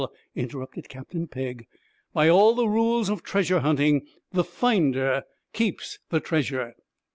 interrupted Captain Pegg. 'By all the rules of treasure hunting, the finder keeps the treasure.'